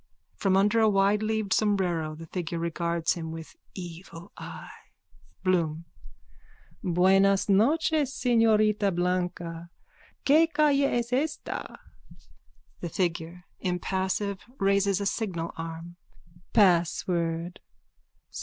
From under a wideleaved sombrero the figure regards him with evil eye.)_ BLOOM: Buenas noches, señorita Blanca, que calle es esta? THE FIGURE: (Impassive, raises a signal arm.) Password.